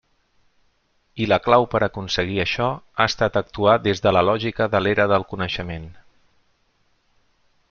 I la clau per aconseguir això ha estat actuar des de la lògica de l'Era del Coneixement.